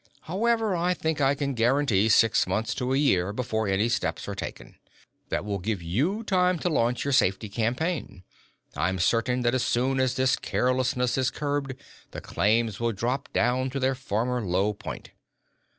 However, I think I can guarantee six months to a year before any steps are taken. That will give you time to launch your safety campaign. I'm certain that as soon as this carelessness is curbed, the claims will drop down to their former low point."